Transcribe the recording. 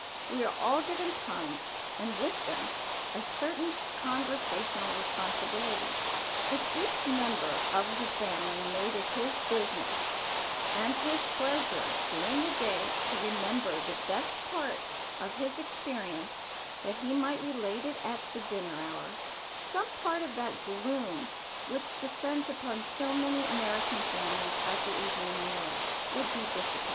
We are all given tongues and with them a certain conversational responsibility. If each member of the family made it his business and his pleasure during the day to remember the best part of his experience that he might relate it at the dinner hour some part of that gloom which descends upon so many American families at the evening meal would be dissipated.